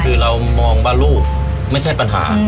คือเรามองว่ารูปไม่ใช่ปัญหา